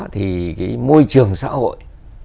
thì cái môi trường xã hội